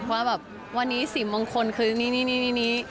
ว่าแบบวันนี้สิ่งมงคลคือนี่